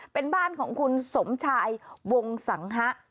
เป็นบ้านของคุณสมชายวงสังฮะ